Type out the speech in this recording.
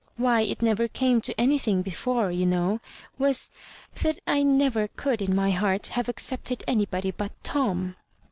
Why it never came to anything before, you know, was — thdt I never could in my heart have accepted anybody but Tom."